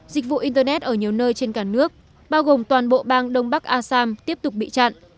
dịch vụ internet ở nhiều nơi trên cả nước bao gồm toàn bộ bang đông bắc asam tiếp tục bị chặn